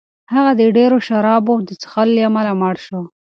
هغه د ډېرو شرابو د څښلو له امله مړ شو.